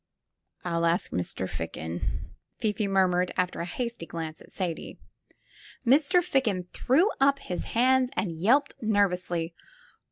"I'll ask Mr. Ficken," Fifi murmured, after a hasty glance at Sadie. Mr. Ficken threw up his hands and yelped nervously.